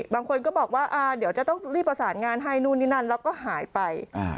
บางคนก็บอกว่าเดี๋ยวจะต้องรีบประสานงานให้นู่นนี่นั่นแล้วก็หายไป